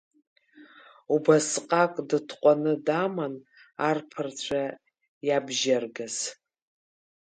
Убасҟак дытҟәаны даман арԥарцәа иабжьаргаз.